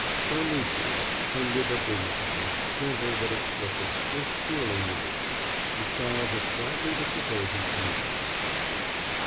Some reproof, tender but dignified, gentle but explicit, was surely needed. The child had flatly disobeyed his commands.